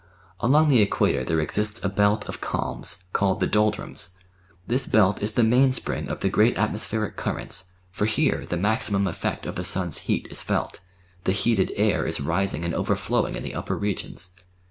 Along the Equator there exists a belt of calms, called the "doldrums"; this belt is the mainspring of the great atmos pheric currents, for here the maximum effect of the sun's heat is felt; the heated air is rising and overflowing in the upper regions.